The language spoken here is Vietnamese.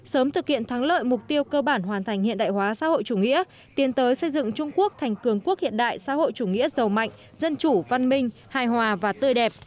sớm thực hiện thắng lợi mục tiêu cơ bản hoàn thành hiện đại hóa xã hội chủ nghĩa tiến tới xây dựng trung quốc thành cường quốc hiện đại xã hội chủ nghĩa giàu mạnh dân chủ văn minh hài hòa và tươi đẹp